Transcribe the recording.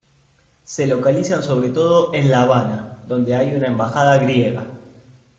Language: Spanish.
Se localizan sobre todo en La Habana, donde hay una embajada griega.